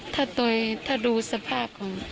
ถ้าตัวเองถ้าดูสภาพของมัน